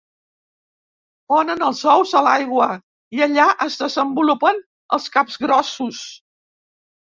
Ponen els ous a l'aigua i allà es desenvolupen els capgrossos.